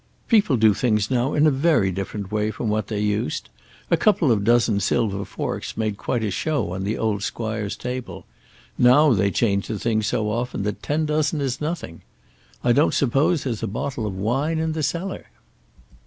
"People do things now in a very different way from what they used. A couple of dozen silver forks made quite a show on the old squire's table. Now they change the things so often that ten dozen is nothing. I don't suppose there's a bottle of wine in the cellar."